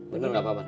bener gak apa apa